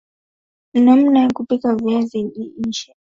namna ya kupika viazi lishe